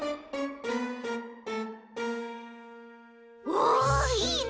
おおいいね！